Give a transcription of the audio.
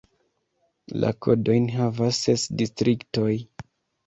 La kodojn havas ses distriktoj.